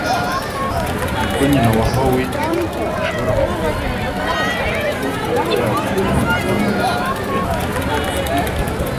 Nibyo, nyina wa Howie ashobora kumara ibyumweru ariko aracyari inyama n'amaraso ye wenyine.